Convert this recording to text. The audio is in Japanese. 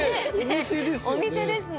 お店ですよね。